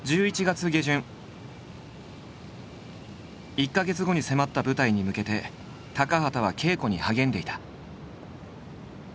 １か月後に迫った舞台に向けて高畑は稽古に励んでいた。